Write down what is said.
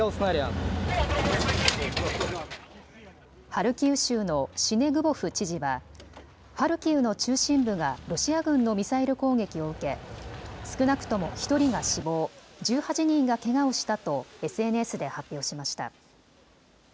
ハルキウ州のシネグボフ知事はハルキウの中心部がロシア軍のミサイル攻撃を受け少なくとも１人が死亡、１８人がけがをしたとＳＮＳで発表しました。